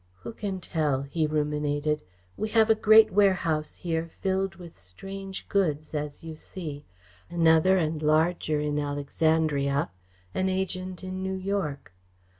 "Who can tell?" he ruminated. "We have a great warehouse here filled with strange goods, as you see, another and larger in Alexandria, an agent in New York.